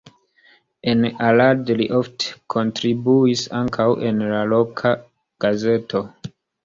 En Arad li ofte kontribuis ankaŭ en la loka gazeto.